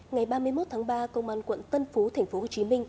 ngày ba mươi một tháng ba công an quận tân phú tp hcm